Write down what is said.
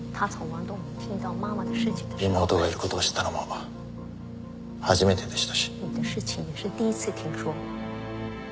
妹がいる事を知ったのも初めてでしたし。